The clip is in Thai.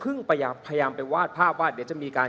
คุณเขตรัฐพยายามจะบอกว่าโอ้เลิกพูดเถอะประชาธิปไตย